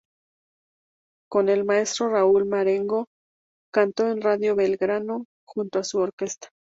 Con el maestro Raúl Marengo cantó en Radio Belgrano junto a su orquesta.